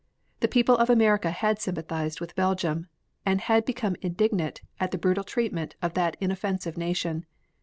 The people of America had sympathized with Belgium, and had become indignant at the brutal treatment of that inoffensive nation.